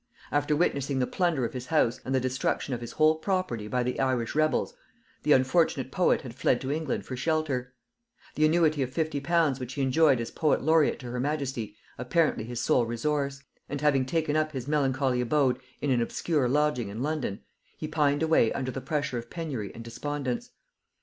After witnessing the plunder of his house and the destruction of his whole property by the Irish rebels, the unfortunate poet had fled to England for shelter, the annuity of fifty pounds which he enjoyed as poet laureat to her majesty apparently his sole resource; and having taken up his melancholy abode in an obscure lodging in London, he pined away under the pressure of penury and despondence.